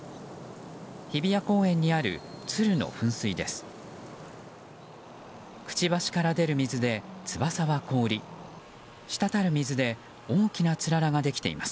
日比谷公園にあるツルの噴水です。